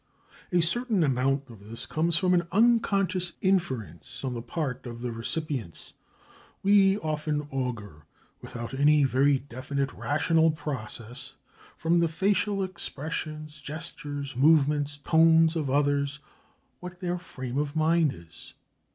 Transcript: A certain amount of this comes from an unconscious inference on the part of the recipients. We often augur, without any very definite rational process, from the facial expressions, gestures, movements, tones of others, what their frame of mind is.